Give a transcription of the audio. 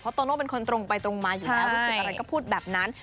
โตโน่เป็นคนตรงไปตรงมาอยู่แล้วรู้สึกอะไรก็พูดแบบนั้น